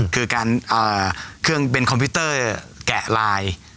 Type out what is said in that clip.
คือการเป็นคอมพิวเตอร์แกะลาย